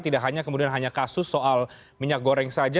tidak hanya kemudian hanya kasus soal minyak goreng saja